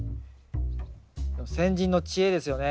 先人の知恵ですよね。